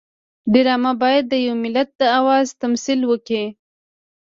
ډرامه باید د یو ملت د آواز تمثیل وکړي